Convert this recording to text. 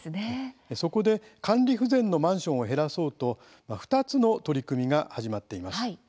そこで、管理不全のマンションを減らそうと２つの取り組みが始まっています。